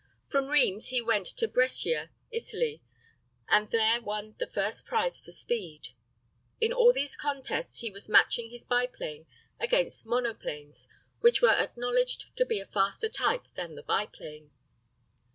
From Rheims he went to Brescia, Italy, and there won the first prize for speed. In all these contests he was matching his biplane against monoplanes which were acknowledged to be a faster type than the biplane.